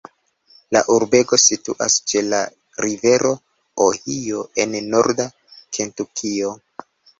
La urbego situas ĉe la rivero Ohio en norda Kentukio.